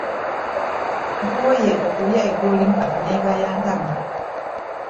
Nakomye okulya ggulo limu kati negaya ntama.